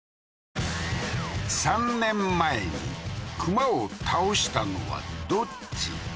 ３年前に熊を倒したのはどっち？